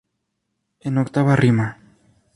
En octava rima.